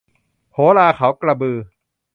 โหราเขากระบือ